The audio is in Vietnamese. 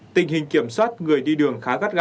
tình hình kiểm soát người đi đường khá gắt ga